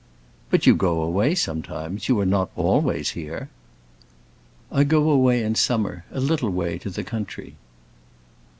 "But you go away sometimes; you are not always here?" "I go away in summer, a little way, to the country."